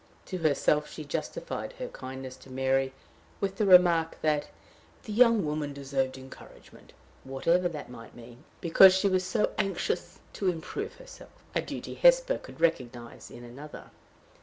To herself she justified her kindness to Mary with the remark that the young woman deserved encouragement whatever that might mean because she was so anxious to improve herself! a duty Hesper could recognize in another.